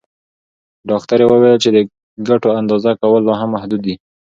ډاکټره وویل چې د ګټو اندازه کول لا هم محدود دي.